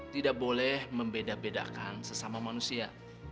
tidak boleh membeda bedakan sesama manusia